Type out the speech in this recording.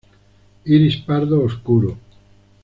Iris pardo oscuro.